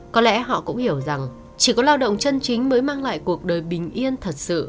có lẽ họ cũng hiểu rằng chỉ có lao động chân chính mới mang lại cuộc đời bình yên thật sự